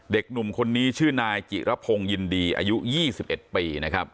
เด็กหนุ่มคนนี้ชื่อนายกิระพงยินดีอายุยี่สิบเอ็ดปีนะครับ